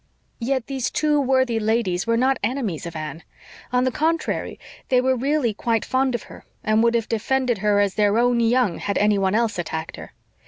Yet these two worthy ladies were not enemies of Anne; on the contrary, they were really quite fond of her, and would have defended her as their own young had anyone else attacked her.